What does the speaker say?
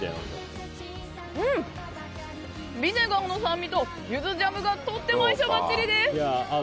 ビネガーの酸味とゆずジャムがとても相性ばっちりです。